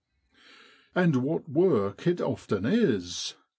" And what work it often is!